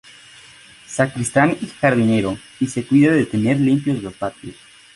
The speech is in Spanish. Sacristán y jardinero y se cuida de tener limpios los patios.